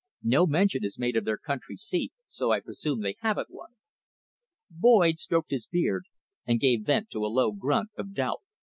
No mention is made of their country seat, so I presume they haven't one." Boyd stroked his beard and gave vent to a low grunt of doubt.